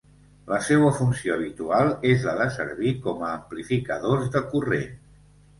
La seua funció habitual és la de servir com a amplificadors de corrent.